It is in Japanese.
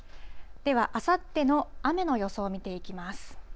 では、あさっての雨の予想を見ていきます。